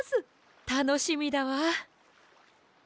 たのしみだわ！